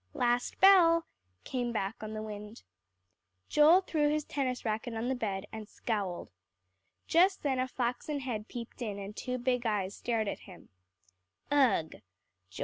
"Last bell," came back on the wind. Joel threw his tennis racket on the bed, and scowled. Just then a flaxen head peeped in, and two big eyes stared at him. "Ugh!"